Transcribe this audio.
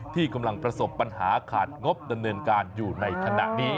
ที่กำลังประสบปัญหาขาดงบดำเนินการอยู่ในขณะนี้